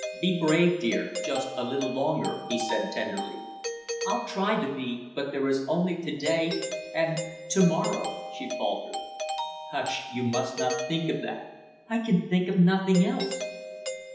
Be brave, dear, just a little longer!" he said tenderly. "I'll try to be, but there is only to day and to morrow " she faltered. "Hush, you must not think of that!" "I can think of nothing else!"